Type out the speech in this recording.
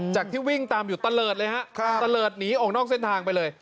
ที่วิ่งตามอยู่ตะเลิศเลยฮะตะเลิศหนีออกนอกเส้นทางไปเลย